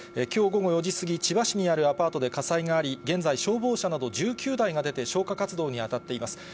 きょう午後４時過ぎ、千葉市にあるアパートで火災があり、現在、消防車など１９台が出て、消火活動に当たっています。